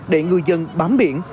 để người dân bám biển